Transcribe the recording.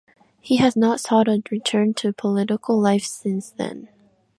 He has not sought a return to political life since then.